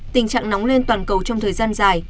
tình trạng nóng lên toàn cầu trong thời gian dài